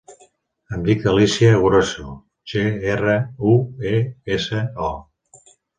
Em dic Alícia Grueso: ge, erra, u, e, essa, o.